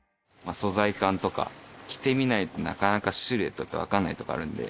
素材感とか、着てみないとなかなかシルエットって分かんないとこあるんで。